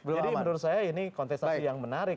jadi menurut saya ini kontestasi yang menarik